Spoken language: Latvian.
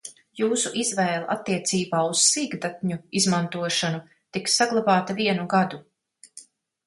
Jūsu izvēle attiecībā uz sīkdatņu izmantošanu tiks saglabāta vienu gadu.